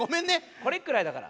「これくらい」だから。